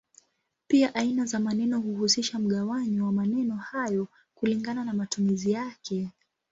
Pia aina za maneno huhusisha mgawanyo wa maneno hayo kulingana na matumizi yake.